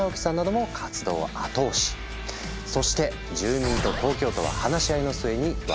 そして住民と東京都は話し合いの末に和解。